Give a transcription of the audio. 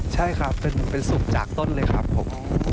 ใช่ครับเป็นสุกจากต้นเลยครับผม